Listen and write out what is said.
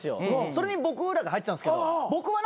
それに僕らが入ってたんですけど僕は仲良くない。